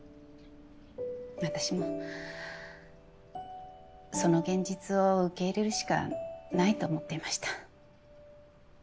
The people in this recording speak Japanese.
私もその現実を受け入れるしかないと思っていました。